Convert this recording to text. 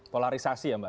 polarisasi ya mbak irma